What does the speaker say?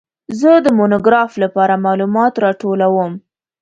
زه د مونوګراف لپاره معلومات راټولوم.